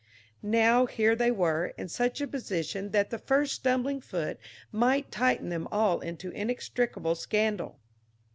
Now here they were, in such a position that the first stumbling foot might tighten them all into inextricable scandal.